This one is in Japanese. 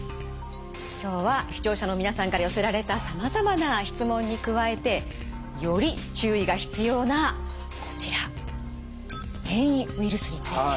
今日は視聴者の皆さんから寄せられたさまざまな質問に加えてより注意が必要なこちら変異ウイルスについて。